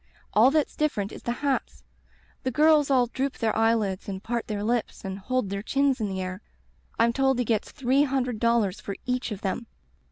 All that's different is the hats; the girls all droop their eyelids and part their lips and hold their chins in the air. I'm told he gets three hundred dollars for each of them.'